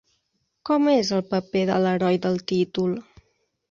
Com és el paper de l'heroi del títol?